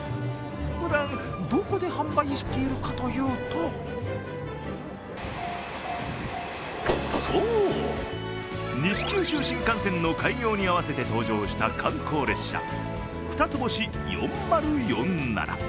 ふだん、どこで販売しているかというとそう、西九州新幹線の開業に合わせて登場した観光列車、ふたつ星４０４７。